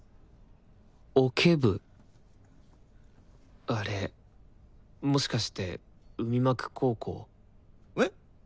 オケ部あれもしかして海幕高校？えっ？